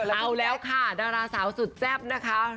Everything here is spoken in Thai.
เอาแล้วค่ะดาราสาวสุดแซ่บนะคะ